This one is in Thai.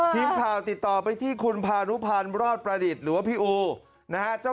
ทีมข่าวติดต่อไปที่คุณพานุพันธ์รอดประดิษฐ์หรือว่าพี่อูนะฮะ